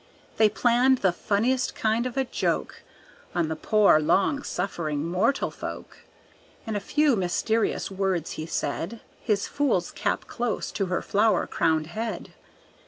They planned the funniest kind of a joke On the poor, long suffering mortal folk; And a few mysterious words he said, His fool's cap close to her flower crowned head.